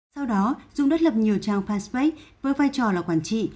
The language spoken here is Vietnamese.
sau đó dũng đất lập nhiều trang facebook với vai trò là quản trị